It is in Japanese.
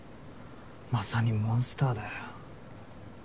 まさにモンスターだよ。